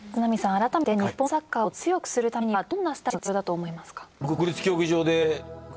改めて日本サッカーを強くするためにはどんなスタジアムが必要だと思いますか？